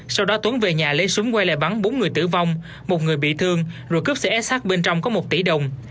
sau đó tuấn về nhà lấy súng quay lại bắn bốn người tử vong một người bị thương rồi cướp xe sh bên trong có một tỷ đồng